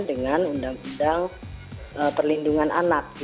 dengan undang undang perlindungan anak